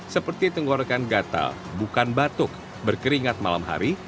seperti tenggorokan gatal bukan batuk berkeringat malam hari